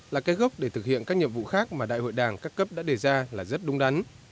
là cái gốc để thực hiện các nhiệm vụ khác mà đại hội đảng các cấp đã đề ra là rất đúng đắn